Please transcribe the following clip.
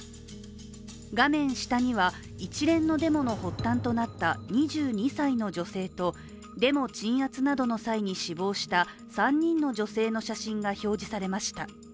画面下には、一連のデモの発端となった２２歳の女性とデモ鎮圧などの際に死亡した３人の女性の写真が表示されました。